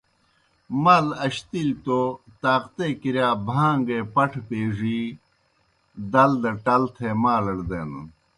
مال اشتِلیْ توْ طاقتے کِرِیا بھان٘گے پٹھہ پیڙِی دل دہ ٹل تھے مالڑ دینَن۔